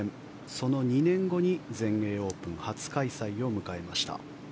その２年後に全英オープン初開催を迎えました。